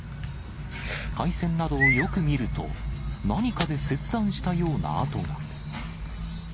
配線などをよく見ると、何かで切断したような跡が。